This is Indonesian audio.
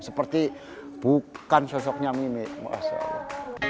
seperti bukan sosoknya mimi masya allah